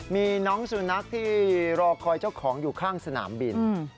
มีน้องสุนัขที่รอคอยเจ้าของอยู่ข้างสนามบิน